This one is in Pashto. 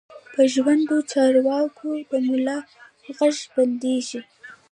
په ژوندو چارواکو د ملا غږ بندېږي.